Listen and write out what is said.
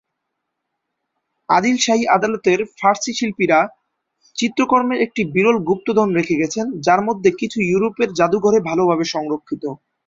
আদিল শাহী আদালতের ফার্সি শিল্পীরা ক্ষুদ্র চিত্রকর্মের একটি বিরল গুপ্তধন রেখে গেছেন, যার মধ্যে কিছু ইউরোপের জাদুঘরে ভালভাবে সংরক্ষিত।